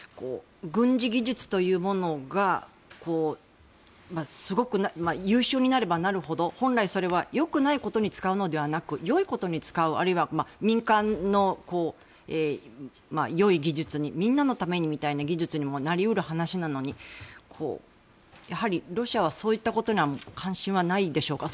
軍事技術というものがすごく優秀になればなるほど本来それはよくないことに使うのではなくよいことに使うあるいは民間のよい技術にみんなのためにみたいな技術にもなり得る話なのにやはりロシアはそういったことには関心はないのでしょうか？